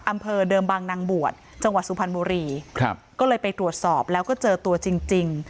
อำเภอเดิมบางนางบวชจังหวัดสุพรรณบุรีครับก็เลยไปตรวจสอบแล้วก็เจอตัวจริงจริง